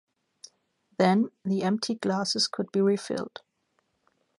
Then, the emptied glasses could be refilled.